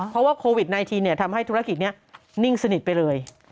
เพราะว่าโควิด๑๙ทำให้ธุรกิจนี้นิ่งสนิทไปเลย